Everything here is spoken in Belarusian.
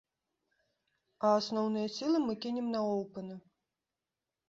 А асноўныя сілы мы кінем на оўпэны.